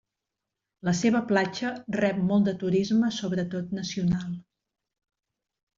La seva platja rep molt de turisme sobretot nacional.